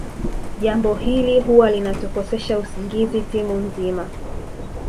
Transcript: Jambo hili huwa linatukosesha usingizi timu nzima